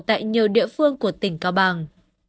tại nhiều địa phương của tỉnh cao bằng